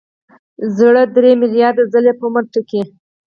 زړه درې ملیارده ځلې په عمر ټکي.